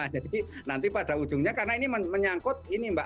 jadi nanti pada ujungnya karena ini menyangkut ini mbak